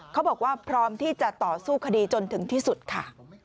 พร้อมที่จะต่อสู้คดีจนถึงที่สุดค่ะ